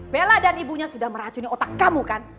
bella dan ibunya sudah meracuni otak kamu kan